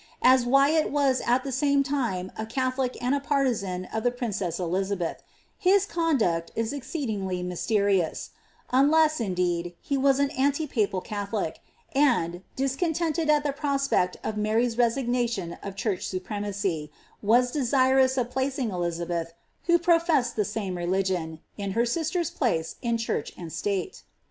As Wyatt was at the same time a Caiho * lie and a partisan of the princess Elizabeth, his conduct is exceedio^lj mysterious ; unless^ indeed, he was an anti papal Catholic, and, discoo tented at the prospect of Mary^s resignation <k church supremacy* wai desirous of placing Elizabeth (who professed the same religion) in her sister^s place in church and state.